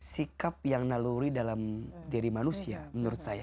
sikap yang naluri dalam diri manusia menurut saya